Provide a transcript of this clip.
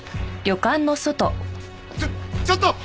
ちょちょっと！